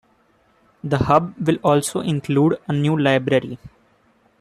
The Hub will also include a new library.